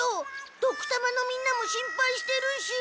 ドクたまのみんなも心配してるし。